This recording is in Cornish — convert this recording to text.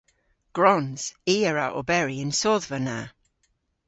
Gwrons. I a wra oberi y'n sodhva na.